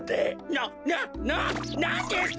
ななななんですと？